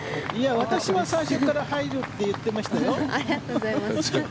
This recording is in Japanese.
私は最初から入るって言ってましたよ。